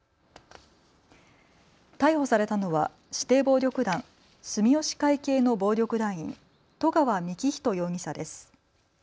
逮捕されたのは指定暴力団住吉会系の暴力団員、十川幹仁容疑者です。